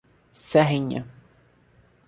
Serrinha